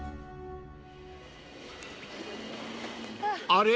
［あれ？